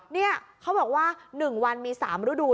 นี่เขาบอกว่า๑วันมี๓ฤดู